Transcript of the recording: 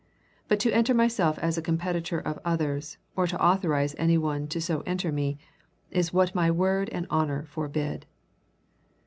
But to enter myself as a competitor of others, or to authorize any one so to enter me, is what my word and honor forbid."